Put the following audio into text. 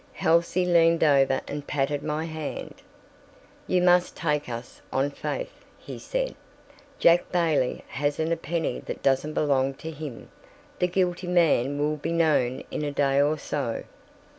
Halsey leaned over and patted my hand. "You must take us on faith," he said. "Jack Bailey hasn't a penny that doesn't belong to him; the guilty man will be known in a day or so."